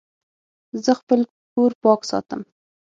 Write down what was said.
زه خپل کور پاک ساتم.